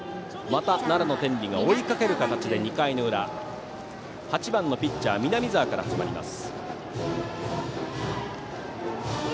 また奈良の天理が追いかける形で２回裏は８番のピッチャー、南澤から始まります。